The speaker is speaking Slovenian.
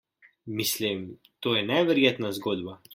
Mislim, to je neverjetna zgodba.